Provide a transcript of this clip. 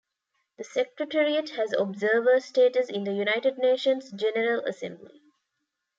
The Secretariat has observer status in the United Nations General Assembly.